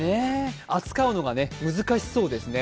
扱うのが難しそうですね。